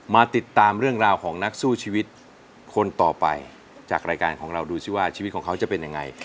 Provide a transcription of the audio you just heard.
มาติดตามเรื่องราวของนักสู้ชีวิตคนต่อไปจากรายการของเราดูสิว่าชีวิตของเขาจะเป็นยังไง